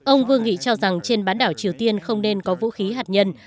ông vương nghị cho rằng trên bán đảo triều tiên không nên có vũ khí hạt nhân